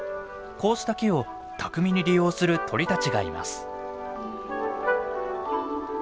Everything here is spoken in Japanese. こうした木を巧みに利用する鳥たちがいます。